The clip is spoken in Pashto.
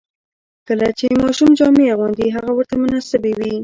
کله چې ماشوم جامې اغوندي، هغه ورته مناسبې وي.